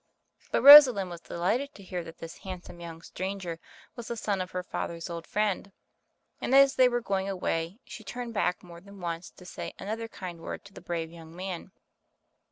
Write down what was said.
But Rosalind was delighted to hear that this handsome young stranger was the son of her father's old friend, and as they were going away, she turned back more than once to say another kind word to the brave young man.